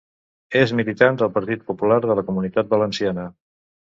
És militant del Partit Popular de la Comunitat Valenciana.